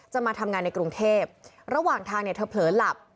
มาทำงานในกรุงเทพระหว่างทางเนี่ยเธอเผลอหลับ